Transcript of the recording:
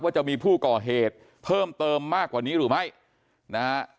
จะมีผู้ก่อเหตุเพิ่มเติมมากกว่านี้หรือไม่นะฮะ